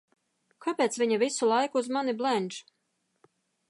Kāpēc viņa visu laiku uz mani blenž?